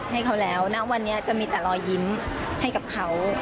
ให้เขาแล้วณวันนี้จะมีแต่รอยยิ้มให้กับเขา